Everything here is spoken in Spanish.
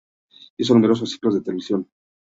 Hizo numerosos ciclos en televisión.